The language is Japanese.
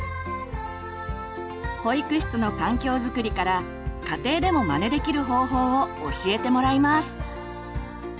保育室の環境づくりから家庭でもまねできる方法を教えてもらいます。